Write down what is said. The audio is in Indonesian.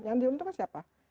yang diuntungkan siapa